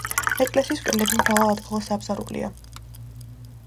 ეკლესიის კედლები მრავალ ადგილას დაბზარულია.